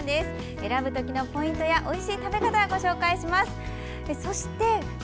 選ぶときのポイントやおいしい食べ方ご紹介します。